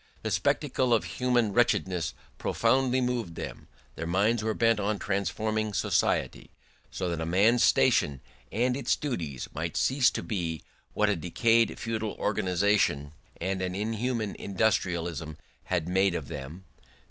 The spectacle of human wretchedness profoundly moved them; their minds were bent on transforming society, so that a man's station and its duties might cease to be what a decayed feudal organisation and an inhuman industrialism had made of them.